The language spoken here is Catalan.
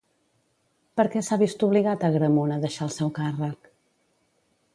Per què s'ha vist obligat Agramunt a deixar el seu càrrec?